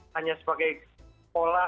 hanya sebagai pola